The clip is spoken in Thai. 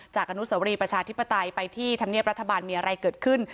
อนุสวรีประชาธิปไตยไปที่ธรรมเนียบรัฐบาลมีอะไรเกิดขึ้น